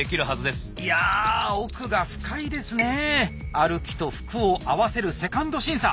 歩きと服を合わせる２ｎｄ審査。